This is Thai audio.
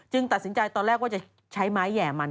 ตัดสินใจตอนแรกว่าจะใช้ไม้แห่มัน